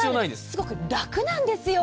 すごく楽なんですよ。